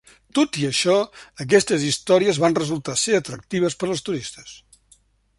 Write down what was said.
Tot i això, aquestes històries van resultar ser atractives per als turistes.